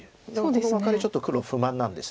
このワカレちょっと黒不満なんです。